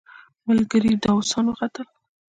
ملګري داووسان وختل.